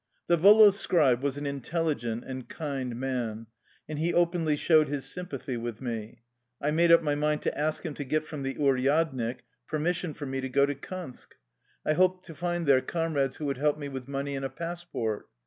Ill The volost scribe was an intelligent and kind man, and he openly showed his sympathy with me. I made up my mind to ask him to get from the uryadnik permission for me to go to Kansk. I hoped to find there comrades who would help me with money and a passport.